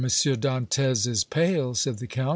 Dantès is pale," said the Count.